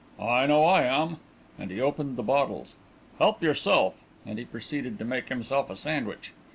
"I know I am," and he opened the bottles. "Help yourself," and he proceeded to make himself a sandwich.